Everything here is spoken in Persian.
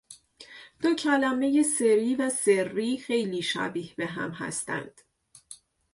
دو کلمه سری و سرّی خیلی شبیه به هم هستند